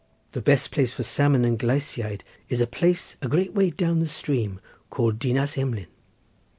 The best place for salmon and gleisiaid is a place, a great way down the stream, called Dinas Emlyn.